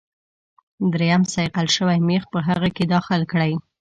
دریم صیقل شوی میخ په هغه کې داخل کړئ.